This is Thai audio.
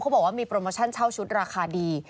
บอกว่ามีโปรโมชั่นเช่าชุดราคาดี